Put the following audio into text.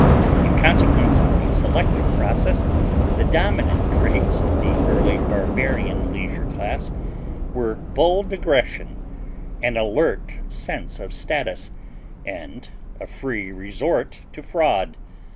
In consequence of the selective process the dominant traits of the early barbarian leisure class were bold aggression, an alert sense of status, and a free resort to fraud.